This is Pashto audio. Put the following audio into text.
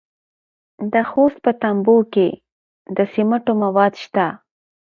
د خوست په تڼیو کې د سمنټو مواد شته.